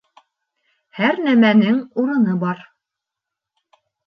Һәр нәмәнең урыны бар.